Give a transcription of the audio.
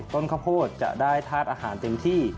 ข้าวโพดจะได้ธาตุอาหารเต็มที่